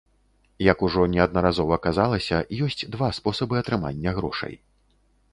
Як ужо неаднаразова казалася, ёсць два спосабы атрымання грошай.